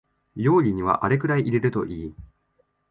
料理にはあれくらい入れるといい